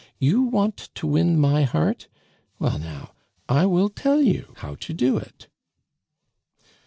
"You want to win my heart? Well, now, I will tell you how to do it."